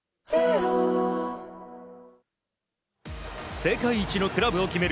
世界一のクラブを決める